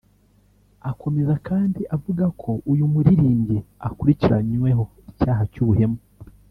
Akomeza kandi avuga ko uyu muririmbyi akurikiranyweho icyaha cy’ ubuhemu